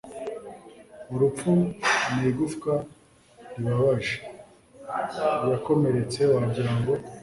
urupfu ni igufwa ribabaje; yakomeretse, wagira ngo